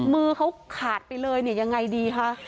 มือเขาขาดไปเลยอย่างไรดีคะ